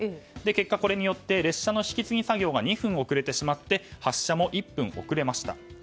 結果、これによって列車の引き継ぎ作業が２分遅れてしまって発車も１分遅れました。